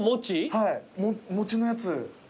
はい餅のやつ。